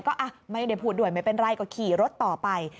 ก็ไม่ได้พูดด้วยไม่เป็นไรก็ขี่รถต่อไป